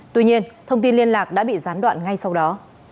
tuy nhiên thông tin liên lạc đã bị gián đoạn ngay sau đó